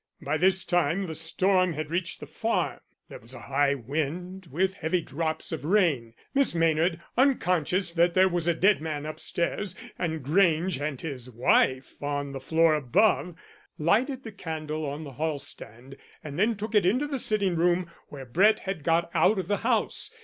By this time the storm had reached the farm. There was a high wind with heavy drops of rain. Miss Maynard, unconscious that there was a dead man upstairs, and Grange and his wife on the floor above, lighted the candle on the hallstand, and then took it into the sitting room, where Brett had got out of the house.